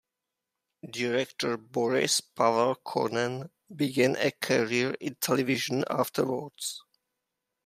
Director "Boris Paval Conen" began a career in television afterwards.